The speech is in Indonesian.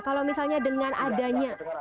kalau misalnya dengan adanya